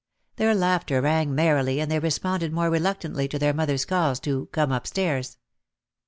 Their laughter rang merrily and they responded more reluctantly to their mothers' calls to "come up stairs!"